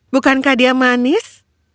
bukankah dia manis